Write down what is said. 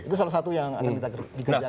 itu salah satu yang akan kita kerjakan